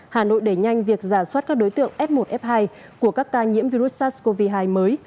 hà nội đẩy nhanh việc giả soát các đối tượng f một f hai của các ca nhiễm virus sars cov hai mới